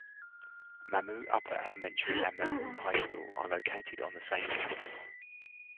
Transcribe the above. Mamou Upper Elementary and Mamou High School are located on the same campus.